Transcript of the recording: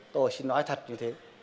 tôi xin nói thật như thế